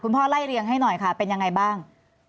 พ่อไล่เรียงให้หน่อยค่ะเป็นยังไงบ้าง